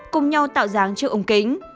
cùng nhau tạo dáng trước ống kính